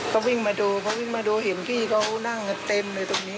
ก็วิ่งมาดูเห็นพี่เขานั่งเต็มเลยตรงนี้